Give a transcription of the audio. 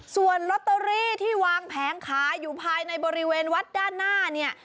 ส่วนลอตเตอรี่ที่วางแผงขายอยู่ภายในบริเวณวัดด้านหน้าเนี่ย